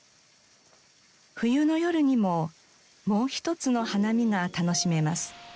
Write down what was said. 冬の夜にももう一つの花見が楽しめます。